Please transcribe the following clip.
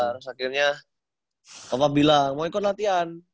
terus akhirnya bapak bilang mau ikut latihan